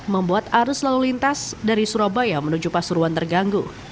membuat arus lalu lintas dari surabaya menuju pasuruan terganggu